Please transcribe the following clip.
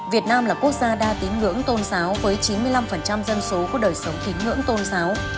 việt nam là quốc gia đa tín ngưỡng tôn giáo với chín mươi năm dân số có đời sống tín ngưỡng tôn giáo